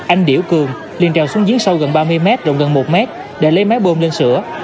anh điểu cường liền trèo xuống giếng sâu gần ba mươi m rộng gần một m để lấy máy bơm lên sửa